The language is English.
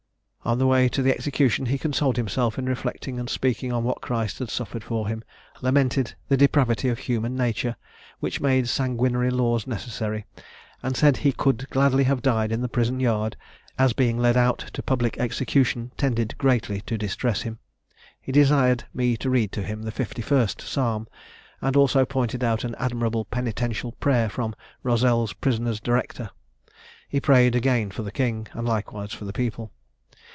"On the way to execution he consoled himself in reflecting and speaking on what Christ had suffered for him; lamented the depravity of human nature, which made sanguinary laws necessary; and said he could gladly have died in the prison yard, as being led out to public execution tended greatly to distress him. He desired me to read to him the 51st Psalm, and also pointed out an admirable penitential prayer from 'Rossell's Prisoner's Director.' He prayed again for the king, and likewise for the people.